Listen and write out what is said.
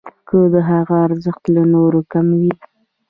که د هغه ارزښت له نورو کم وي.